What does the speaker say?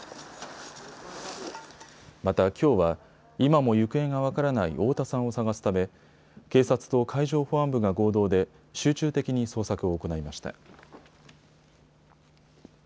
またきょうは今も行方が分からない太田さんを捜すため警察と海上保安部が合同で集中的に捜索を行いました。